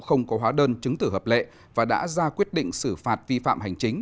không có hóa đơn chứng tử hợp lệ và đã ra quyết định xử phạt vi phạm hành chính